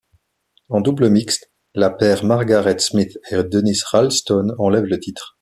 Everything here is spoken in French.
En double mixte, la paire Margaret Smith et Dennis Ralston enlève le titre.